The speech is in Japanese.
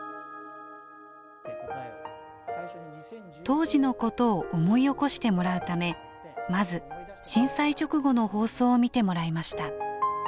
当時のことを思い起こしてもらうためまず震災直後の放送を見てもらいました。